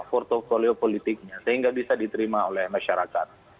portfolio politiknya sehingga bisa diterima oleh masyarakat